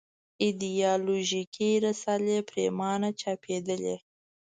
ایدیالوژیکې رسالې پرېمانه چاپېدلې.